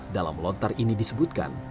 dalam lontar ini disebutkan